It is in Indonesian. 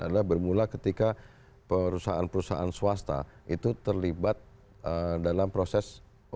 adalah bermula ketika perusahaan perusahaan swasta itu terlibat dalam proses untuk membangun data pendudukan